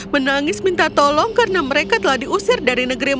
menangis minta tolong karena mereka telah diusir dari negeri